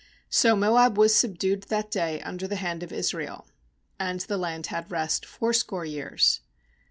30So Moab was subdued that day under the hand of Israel. And the land had rest fourscore years.